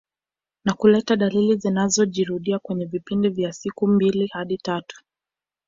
Na kuleta dalili zinazojirudia kwenye vipindi vya siku mbili hadi tatu